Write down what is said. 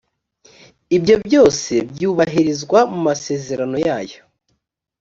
ibyo byose byubahirizwa mu masezerano yayo